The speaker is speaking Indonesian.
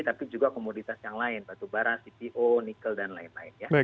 tapi juga komoditas yang lain batubara cpo nikel dan lain lain ya